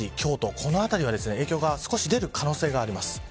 この辺りは影響が少し出る可能性があります。